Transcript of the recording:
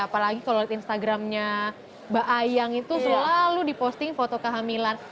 apalagi kalau lihat instagramnya mbak ayang itu selalu diposting foto kehamilan